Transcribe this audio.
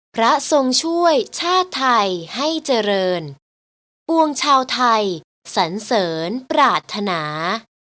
พระทรงช่วยชาติไทยให้เจริญปวงชาวไทยสันเสริญปรารถนา